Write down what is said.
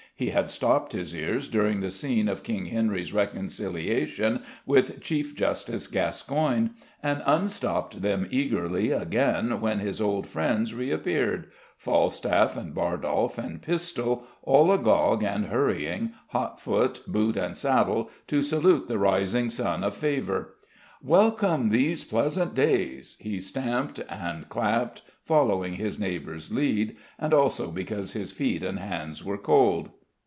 He had stopped his ears during the scene of King Henry's reconciliation with Chief Justice Gascoigne, and unstopped them eagerly again when his old friends reappeared Falstaff and Bardolph and Pistol, all agog and hurrying, hot foot, boot and saddle, to salute the rising sun of favour. "Welcome these pleasant days!" He stamped and clapped, following his neighbours' lead, and also because his feet and hands were cold.